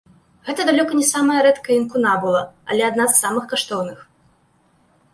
Гэта далёка не самая рэдкая інкунабула, але адна з самых каштоўных.